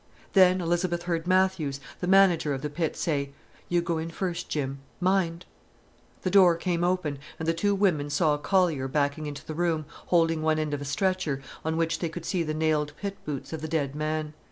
Then Elizabeth heard Matthews, the manager of the pit, say: "You go in first, Jim. Mind!" The door came open, and the two women saw a collier backing into the room, holding one end of a stretcher, on which they could see the nailed pit boots of the dead man.